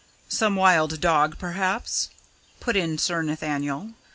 "Some wild dog, perhaps?" put in Sir Nathaniel.